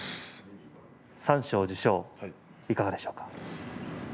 三賞受賞、いかがでしょうか？